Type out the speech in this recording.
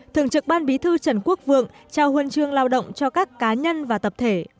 thường trực ban bí thư trần quốc vượng trao huân chương lao động cho các cá nhân và tập thể